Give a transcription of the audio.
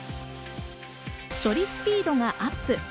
処理スピードがアップ。